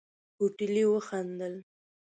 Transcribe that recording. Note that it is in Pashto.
هوټلي وخندل.